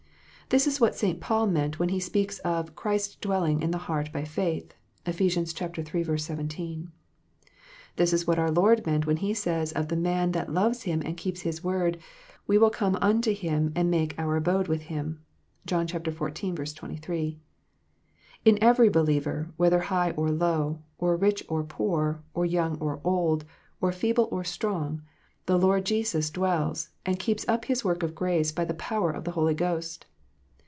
This is what St. Paul meant when he speaks of "Christ dwelling in the heart by faith." (Eph. iii. 17.) This is what our Lord meant when He says of the man that loves Him and keeps His Word, " We will come unto him, and make our abode with him." (John xiv. 23.) In every believer, whether high or low, or rich or poor, or young or old, or feeble or strong, the Lord Jesus dwells, and keeps up His work of grace by the power of the Holy Ghost.